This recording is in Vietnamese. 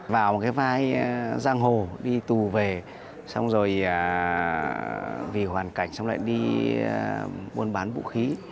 vào một cái vai giang hồ đi tù về xong rồi vì hoàn cảnh xong lại đi buôn bán vũ khí